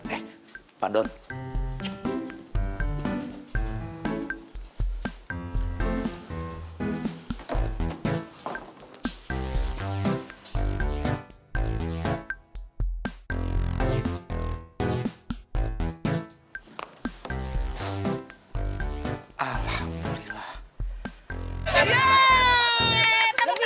ian gak bawa rantang